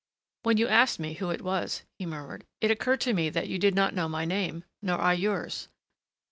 "When you asked who it was," he murmured, "it occurred to me that you did not know my name nor I yours.